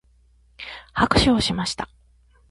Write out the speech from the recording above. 拍手をしました。